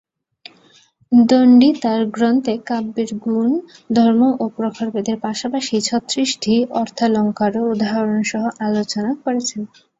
দন্ডী তাঁর গ্রন্থে কাব্যের গুণ, ধর্ম ও প্রকারভেদের পাশাপাশি ছত্রিশটি অর্থালঙ্কারও উদাহরণসহ আলোচনা করেছেন।